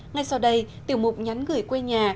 ngay sau đây tiểu mục nhắn gửi quê nhà